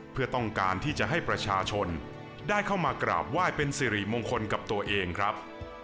เพื่อต้องการที่จะให้ประชาชนได้เข้ามากราบไหว้เป็นสิริมงคลกับตัวเองครับ